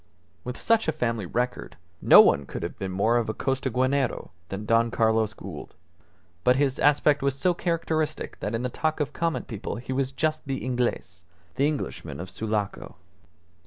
With such a family record, no one could be more of a Costaguanero than Don Carlos Gould; but his aspect was so characteristic that in the talk of common people he was just the Inglez the Englishman of Sulaco.